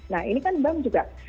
nah ini kan bank juga